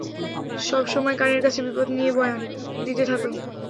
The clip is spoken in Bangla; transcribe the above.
সবসময় কানের কাছে বিপদ নিয়ে বয়ান দিতে থাকে।